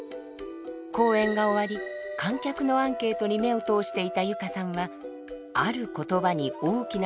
公演が終わり観客のアンケートに目を通していた佑歌さんはある言葉に大きな衝撃を受けました。